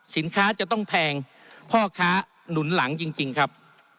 สินค้าจะต้องแพงพ่อค้าหนุนหลังจริงครับ